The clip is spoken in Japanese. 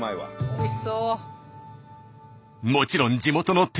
おいしそう。